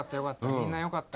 みんなよかった。